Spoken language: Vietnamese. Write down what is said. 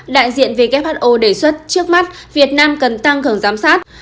đại diện who đề xuất trước mắt việt nam cần tăng cường giám sát